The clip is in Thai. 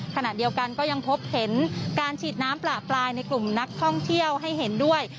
ขณะเดียวกันก็ยังพบเห็นการฉีดน้ำปลาปลายในกลุ่มนักท่องเที่ยวให้เห็นด้วย